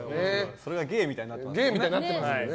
それが芸みたいになってますもんね。